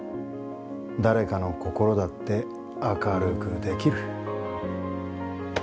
誰かの心だって明るくできる。